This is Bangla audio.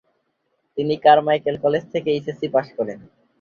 তিনি কারমাইকেল কলেজ থেকে এইচএসসি পাস করেন।